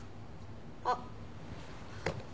あっ。